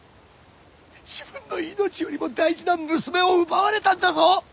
自分の命よりも大事な娘を奪われたんだぞ！